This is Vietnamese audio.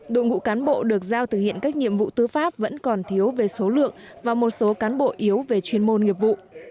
đội ngũ cán bộ được giao thực hiện các nhiệm vụ tư pháp vẫn còn thiếu về số lượng và một số cán bộ yếu về chuyên môn nghiệp vụ